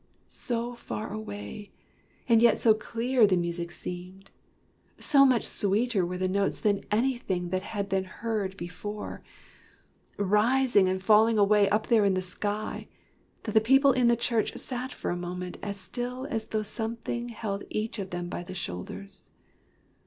So far away, and yet so clear the music seemed — so much sweeter were the notes than anything that had been heard before,. 21 WHY THE CHIMES RANG rising and falling away up there in the sky, that the people in the church sat for a moment as still as though something held each of them by the shoulders.